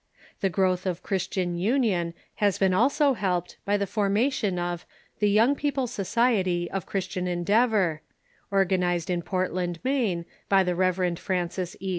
The growth of Christian union has been also helped by the formation of the Young People's Society of Christian En deavor, organized in Portland, Maine, by the Rev. Francis E.